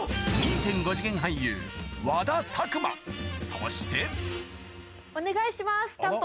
そしてお願いします。